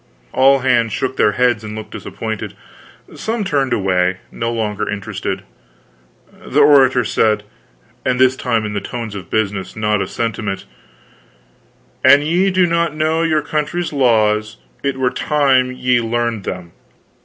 All hands shook their heads and looked disappointed; some turned away, no longer interested. The orator said and this time in the tones of business, not of sentiment: "An ye do not know your country's laws, it were time ye learned them.